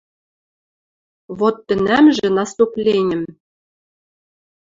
Вот тӹнӓмжӹ наступленьӹм